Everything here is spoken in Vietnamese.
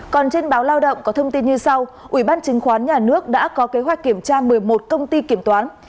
còn trên báo lao động có thông tin như sau ubnd đã có kế hoạch kiểm tra một mươi một công ty kiểm toán